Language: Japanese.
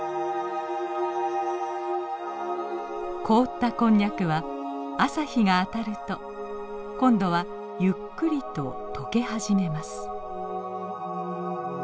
凍ったこんにゃくは朝日が当たると今度はゆっくりと溶け始めます。